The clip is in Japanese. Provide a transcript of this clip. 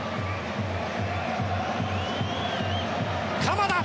鎌田！